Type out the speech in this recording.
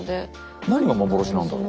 何が幻なんだろう？